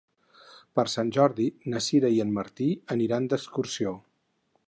Per Sant Jordi na Sira i en Martí aniran d'excursió.